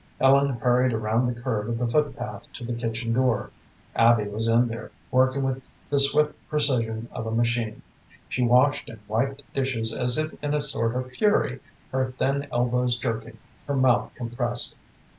Ellen hurried around the curve of the foot path to the kitchen door. Abby was in there, working with the swift precision of a machine. She washed and wiped dishes as if in a sort of fury, her thin elbows jerking, her mouth compressed.